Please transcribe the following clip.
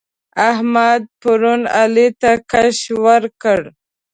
احمد پرون علي ته کش ورکړ.